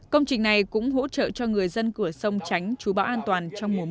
công trình này cũng hỗ trợ cho người dân cửa sông tránh chú bão an toàn